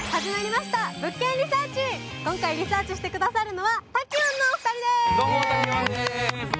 今回リサーチしてくださるのは滝音のお二人です。